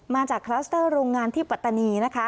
มาจากคลัสเตอร์โรงงานที่ปัตตานี